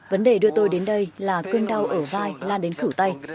vấn đề đưa tôi đến đây là cơn đau ở vai lan đến khủ tay